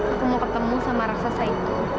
aku mau ketemu sama raksasa itu